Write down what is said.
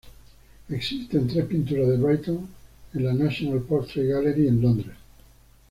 Existen tres pinturas de Brayton en la National Portrait Gallery en Londres.